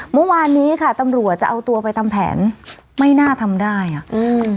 เมื่อวานนี้ค่ะตำรวจจะเอาตัวไปทำแผนไม่น่าทำได้อ่ะอืม